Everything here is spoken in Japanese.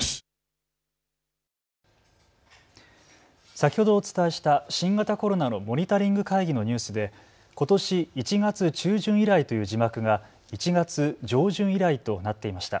先ほどお伝えした新型コロナのモニタリング会議のニュースでことし１月中旬以来という字幕が１月上旬以来となっていました。